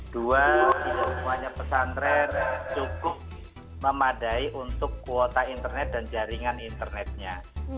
dua semuanya pesantren cukup memadai untuk kuota internet dan jaringan internetnya